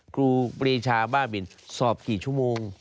ครูปรีชาบ้าบินสอบกี่ชั่วโมง